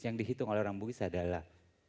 yang dihitung oleh orang bugis adalah